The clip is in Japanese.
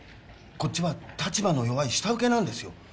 こっちは立場の弱い下請けなんですよ